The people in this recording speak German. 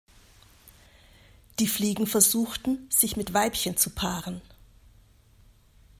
Die Fliegen versuchten, sich mit Weibchen zu paaren.